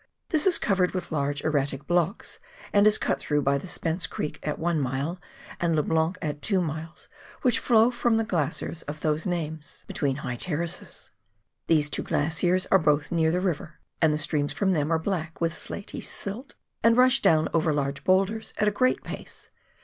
This is covered with large erratic blocks, and is cut through by the Spence Creek at one mile and Le Blanc at two miles, which flow from the glaciers of those names LANDSBOROUGH RIVER. 217 between high terraces. These two glaciers are botli near the river, and the streams from them are black with slaty silt, and rush down over large boulders, at a great pace.